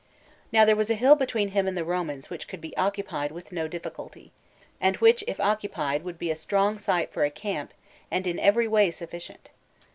Now there was a hill between him and the Romans which could be occupied with no difficulty, and which, if occupied, would be a strong site for a camp and in every way sufficient.